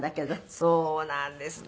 そうなんですね。